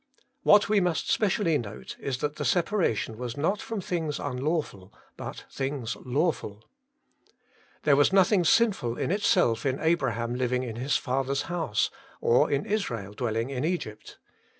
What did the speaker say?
What we must specially note is that the separation was not from things unlawful, but things lawful. There was nothing sinful in itself in Abraham living in his father's house, or in Israel dwelling in Egypt.